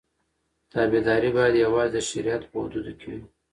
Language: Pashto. تابعداري باید یوازې د شریعت په حدودو کې وي.